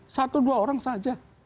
satu dua orang saja